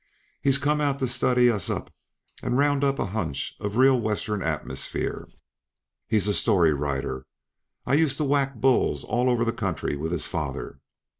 He's come out to study us up and round up a hunch uh real Western atmosphere. He's a story writer. I used to whack bulls all over the country with his father.